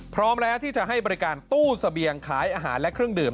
พร้อมแล้วที่จะให้บริการตู้เสบียงขายอาหารและเครื่องดื่ม